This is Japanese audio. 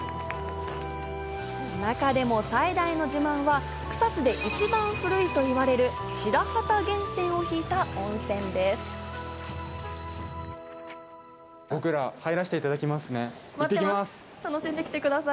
中でも最大の自慢は草津で一番古いといわれる白旗源泉を引いた温泉です。